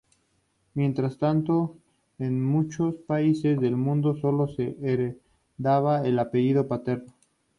Mientras tanto, en muchos países del mundo sólo se hereda el apellido paterno.